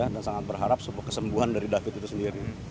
dan sangat berharap kesembuhan dari david itu sendiri